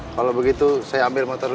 kalau begitu saya ambil motor